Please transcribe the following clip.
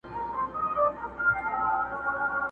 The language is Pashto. تر قیامته ورته نه سم ټینګېدلای.!